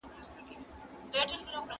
ایا د غنمو توره ډوډۍ له سپیني ډوډۍ غوره ده؟